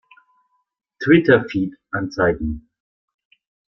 Twitter-Feed anzeigen!